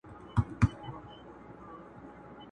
ځي تر قصابانو په مالدار اعتبار مه کوه!!